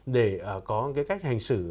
để có cái cách hành xử